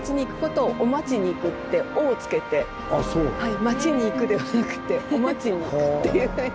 「町に行く」ではなくて「お町に行く」っていうふうに。